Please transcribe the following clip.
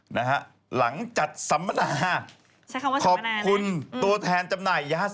นะคะหลังจัดสัมภนาขอบคุณตัวแทนจำหน่ายยาเสพติศ